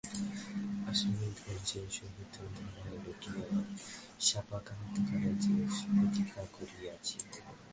অসীম ধৈর্যের সহিত ধুলায় লুটাইয়া শাপান্তকালের জন্য প্রতীক্ষা করিয়া আছি।